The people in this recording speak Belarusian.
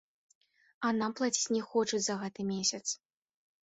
А нам плаціць не хочуць за гэты месяц.